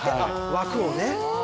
枠をね。